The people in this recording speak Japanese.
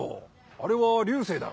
あれは流星だろ。